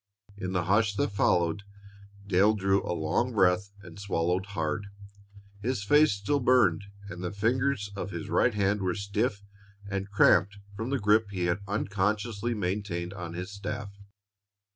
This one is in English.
In the hush that followed, Dale drew a long breath and swallowed hard. His face still burned, and the fingers of his right hand were stiff and cramped from the grip he had unconsciously maintained on his staff.